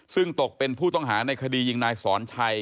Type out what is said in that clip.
ซึ่งตกเป็นผู้ต้องหาในคดียิงนายสอนชัย